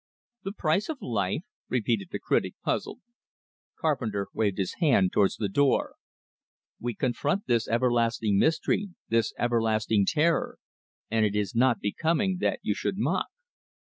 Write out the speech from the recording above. "The price of life?" repeated the critic, puzzled. Carpenter waved his hand towards the door. "We confront this everlasting mystery, this everlasting terror; and it is not becoming that you should mock."